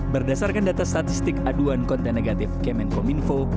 berdasarkan data statistik aduan konten negatif kemenkom info